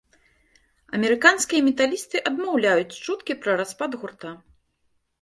Амерыканскія металісты адмаўляюць чуткі пра распад гурта.